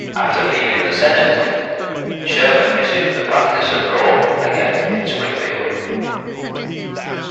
After leaving the Senate, Sherman resumed the practice of law again in Springfield.